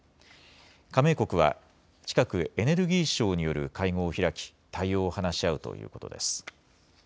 加盟国は近くエネルギー相による会合を開き対応を話し合うということです。